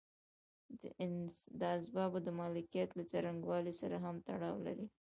دا د اسبابو د مالکیت له څرنګوالي سره هم تړاو لري.